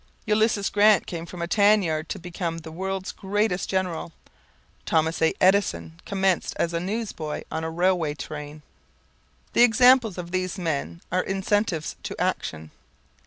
Ulysses Grant came from a tanyard to become the world's greatest general. Thomas A. Edison commenced as a newsboy on a railway train. The examples of these men are incentives to action.